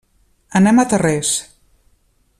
Anem a Tarrés.